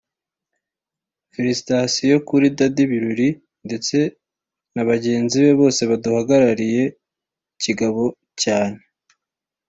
“Félicitation kuri Dady Birori ndetse na bagenzi be bose baduhagarariye kigabo cyane